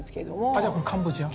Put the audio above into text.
あじゃあこれカンボジア？